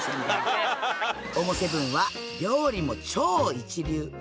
ＯＭＯ７は料理も超一流。